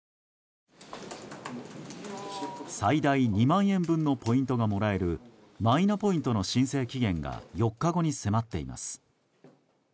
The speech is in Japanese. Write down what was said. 最大２万円分のポイントがもらえるマイナポイントの申請期限が４日後に迫っています。